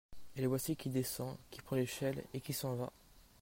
Et le voici qui descend, qui prend l'échelle, et qui s'en va.